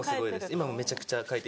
今もめちゃくちゃかいて。